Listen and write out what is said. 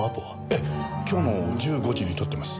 ええ今日の１５時に取ってます。